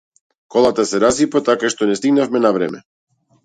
Колата се расипа така што не стигнавме на време.